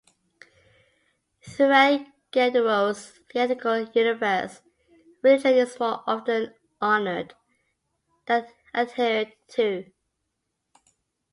Throughout Ghelderode's theatrical universe, religion is more often honored than adhered to.